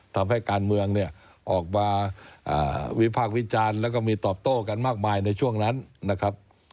ทำให้การเมืองเนี่ยออกมาวิพากษ์วิจารณ์แล้วก็มีตอบโต้กันมากมายในช่วงนั้นนะครับ